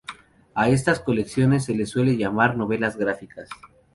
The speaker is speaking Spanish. A estas colecciones se les suele llamar novelas gráficas.